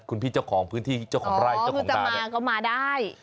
คุณพี่เจ้าของพื้นที่เจ้าของรายเจ้าของด้านอ๋อคุณจะมาก็มาได้